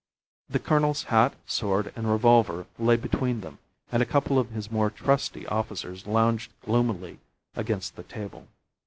The colonel's hat, sword, and revolver lay between them, and a couple of his more trusty officers lounged gloomily against the table.